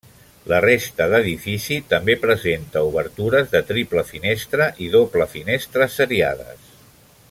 La resta d'edifici també presenta obertures de triple finestra i doble finestra seriades.